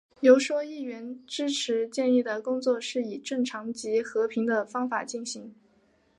游说议员支持建议的工作是以正常及和平的方法进行。